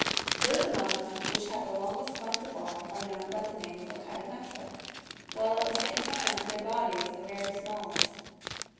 Those among them which have the longest spines of all, are known by the name of echinometrae,^' while at the same time their body is the very smallest.